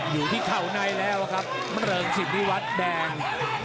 อยู่ที่เข่าในแล้วครับเริงสิทธิวัฒน์แดง